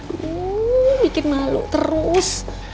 aduh bikin malu terus